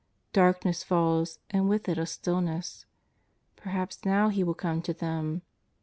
Darkness falls and with It a stillness. Perhaps now He will come to them.